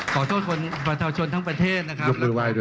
ขอโทษประชาชนทั้งประเทศนะครับ